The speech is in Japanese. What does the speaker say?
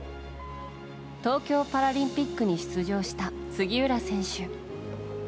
東京パラリンピックに出場した杉浦選手。